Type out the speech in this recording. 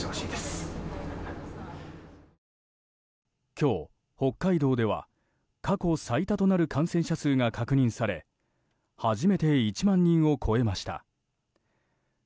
今日、北海道では過去最多となる感染者が確認され初めて１万人を超えました。